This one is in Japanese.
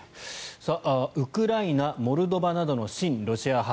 ウクライナモルドバなどの親ロシア派